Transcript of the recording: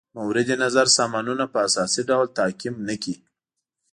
مورد نظر سامانونه په اساسي ډول تعقیم نه کړي.